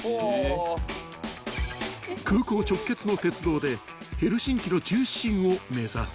［空港直結の鉄道でヘルシンキの中心を目指す］